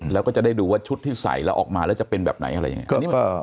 แล้วก็จะได้ดูว่าชุดที่ใส่แล้วออกมาแล้วจะเป็นแบบไหนอะไรยังไง